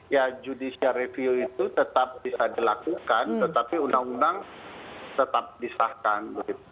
ya judicial review itu tetap bisa dilakukan tetapi undang undang tetap disahkan